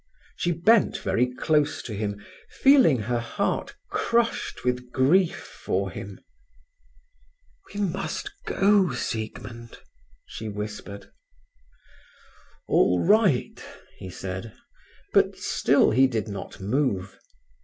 She bent very close to him, feeling her heart crushed with grief for him. "We must go, Siegmund," she whispered. "All right," he said, but still he did not move.